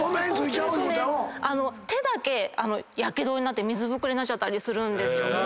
そうするとね手だけ火傷になって水ぶくれになっちゃったりするんですよ。